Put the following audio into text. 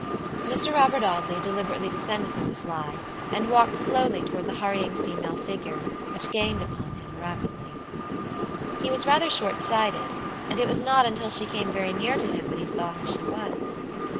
Mr. Robert Audley deliberately descended from the fly and walked slowly toward the hurrying female figure, which gained upon him rapidly. He was rather short sighted, and it was not until she came very near to him that he saw who she was.